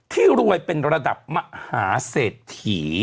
ที่รวยเป็นระดับมหาเสธถี